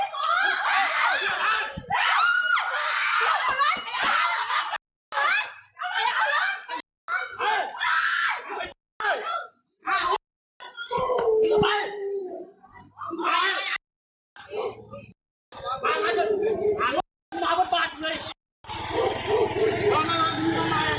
อร้อยอร่อยอร่อยอร่อย